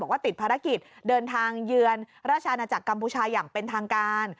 ว่าติดภารกิจเดินทางเยือนราชอาณาจักรกัมพูชาอย่างเป็นทางการ